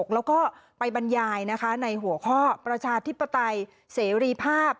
แล้วก็ไปบรรยายนะคะในหัวข้อประชาธิปไตยเสรีภาพ